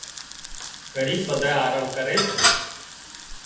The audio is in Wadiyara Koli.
گھڙيڪ ٻڌانئين آرام ڪري سي